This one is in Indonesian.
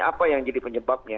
apa yang jadi penyebabnya